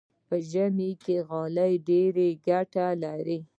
په ژمي کې غالۍ ډېره ګټه لري.